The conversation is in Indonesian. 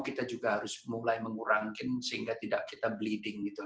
kita juga harus mulai mengurangi sehingga tidak kita bleeding gitu